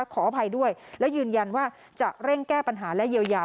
ขออภัยด้วยและยืนยันว่าจะเร่งแก้ปัญหาและเยียวยา